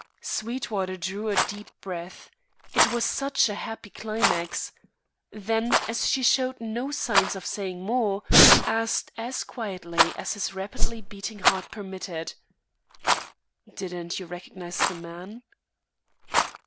Sweetwater drew a deep breath; it was such a happy climax. Then, as she showed no signs of saying more, asked as quietly as his rapidly beating heart permitted: "Didn't you recognise the man?"